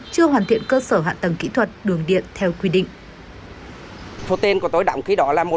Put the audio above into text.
chưa hoàn thiện cơ sở hạ tầng kỹ thuật đường điện theo quy định